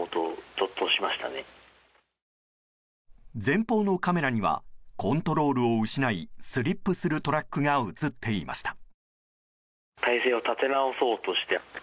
前方のカメラにはコントロールを失いスリップするトラックが映っていました。